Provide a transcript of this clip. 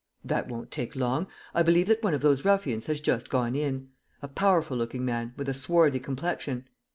"That won't take long. I believe that one of those ruffians has just gone in; a powerful looking man, with a swarthy complexion.